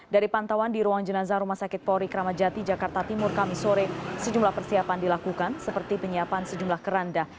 dari pantauan di ruang jenazah rumah sakit polri kramajati jakarta timur kamisore sejumlah persiapan dilakukan seperti penyiapan sejumlah keranda